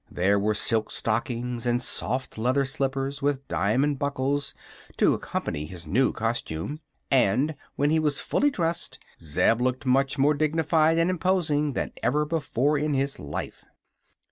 There were silk stockings and soft leather slippers with diamond buckles to accompany his new costume, and when he was fully dressed Zeb looked much more dignified and imposing than ever before in his life.